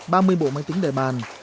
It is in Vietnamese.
ba mươi bộ máy tính đề bàn